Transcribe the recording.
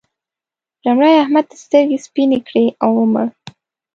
لومړی احمد سترګې سپينې کړې او ومړ.